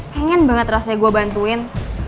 pengen banget rasanya gue bantuin